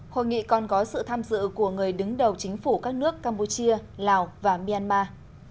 hội nghị còn có sự tham dự của người đứng đầu chính phủ các nước campuchia lào và myanmar